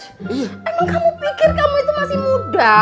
emang kamu pikir kamu itu masih muda